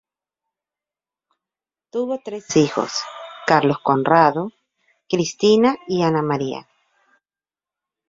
Tuvo tres hijos: Carlos Conrado, Cristina y Ana Maria.